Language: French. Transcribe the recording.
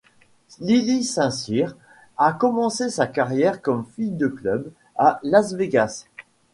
Lili St-Cyr a commencé sa carrière comme fille de club à Las Vegas.